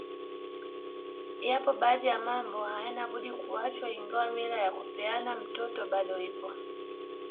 Yapo baadhi ya mambo hayana budi kuachwa ingawa mila ya kupeana mtoto bado ipo